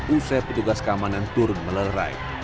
usai petugas keamanan turun melerai